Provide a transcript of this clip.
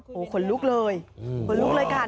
ขนลุกเลยขนลุกเลยค่ะ